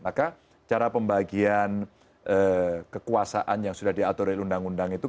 maka cara pembagian kekuasaan yang sudah diatur oleh undang undang itu